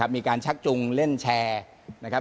มีการชักจุงเล่นแชร์